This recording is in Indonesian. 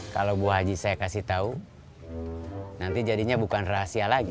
kalau bu haji saya kasih tahu nanti jadinya bukan rahasia lagi